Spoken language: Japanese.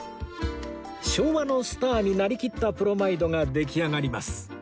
昭和のスターになりきったプロマイドが出来上がります